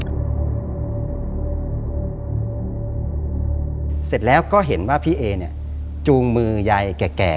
เสร็จแล้วก็เห็นว่าพี่เอเนี่ยจูงมือยายแก่